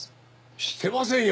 してませんよ